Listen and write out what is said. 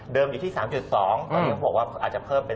อยู่ที่๓๒ตอนนี้เขาบอกว่าอาจจะเพิ่มเป็น